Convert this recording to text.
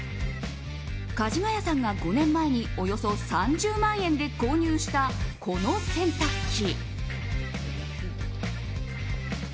かじがやさんが５年前におよそ３０万円で購入したこの洗濯機。